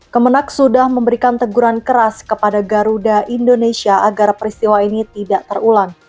kemenak sudah memberikan teguran keras kepada garuda indonesia agar peristiwa ini tidak terulang